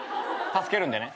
助けるんでね。